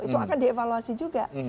itu akan dievaluasi juga